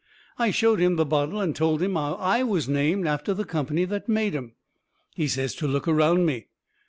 I showed him the bottle and told him how I was named after the company that made 'em. He says to look around me.